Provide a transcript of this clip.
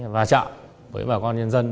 và trạm với bà con nhân dân